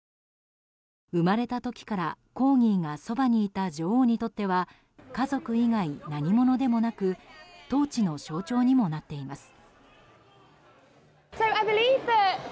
生まれた時からコーギーがそばにいた女王にとっては家族以外、何物でもなく統治の象徴にもなっています。